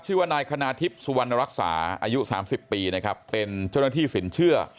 ชื่อว่านายคณาทิพย์สุวรรณรักษาอายุ๓๐ปีนะครับเป็นเจ้าหน้าที่สินเชื่อ